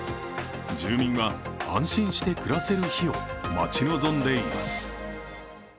住民は安心して暮らせる日を待ち望んでいます。